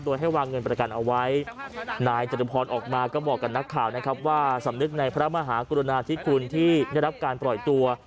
โดยให้วางเงินประกันเอาไว้นายจตุพรออกมาก็บอกกับนักข่าวนะครับว่าสำนึกในพระมหากรุณาธิคุณที่ได้รับการปล่อยตัว